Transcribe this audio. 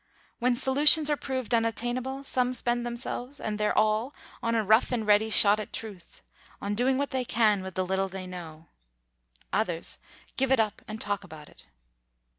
When solutions are proved unattainable, some spend themselves and their all on a rough and ready shot at truth, on doing what they can with the little they know; others give it up and talk about it.